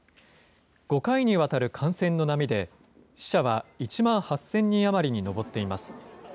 ５回にわたる感染の波で、死者は１万８０００人余りに上っています。